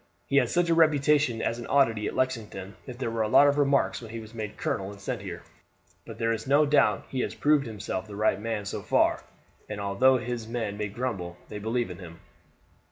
He had such a reputation as an oddity at Lexington that there were a lot of remarks when he was made colonel and sent here; but there is no doubt that he has proved himself the right man so far, and although his men may grumble they believe in him.